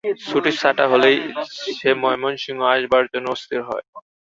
ছুটিছাটা হলেই সে ময়মনসিংহ আসবার জন্যে অস্থির হয়।